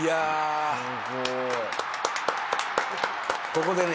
ここでね